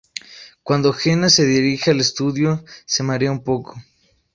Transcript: Cuando Jenna se dirige al estudio, se marea un poco.